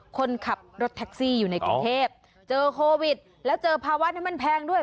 คนขับรถแท็กซี่อยู่ในกรุงเทพเจอโควิดแล้วเจอภาวะนี้มันแพงด้วย